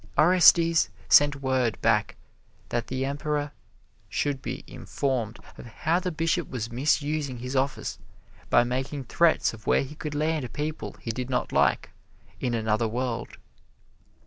Orestes sent word back that the Emperor should be informed of how this Bishop was misusing his office by making threats of where he could land people he did not like, in another world.